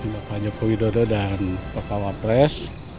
bapak joko widodo dan bapak wapres